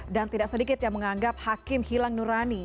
dan tidak sedikit yang menganggap hakim hilang nurani